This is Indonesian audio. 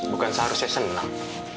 bukan seharusnya senang